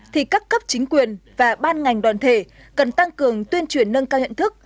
thì các cấp chính quyền và ban ngành đoàn thể cần tăng cường tuyên truyền nâng cao nhận thức